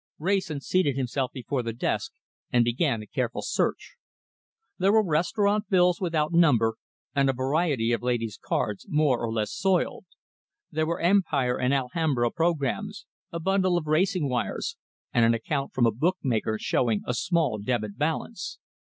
Wrayson seated himself before the desk, and began a careful search. There were restaurant bills without number, and a variety of ladies' cards, more or less soiled. There were Empire and Alhambra programmes, a bundle of racing wires, and an account from a bookmaker showing a small debit balance.